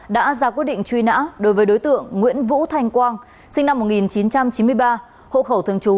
đã ra quyết định truy nã đối với đối tượng nguyễn vũ thanh quang sinh năm một nghìn chín trăm chín mươi ba hộ khẩu thường trú